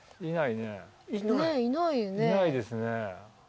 いないですね。